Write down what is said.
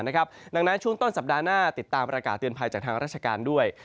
ดังนั้นช่วงต้นสัปดาห์หน้าติดตามประกาศเตือนภัยจากทางราชการด้วย